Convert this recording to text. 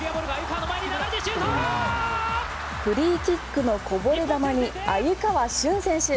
フリーキックのこぼれ球に鮎川峻選手。